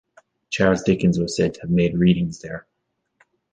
Charles Dickens was said to have made readings there.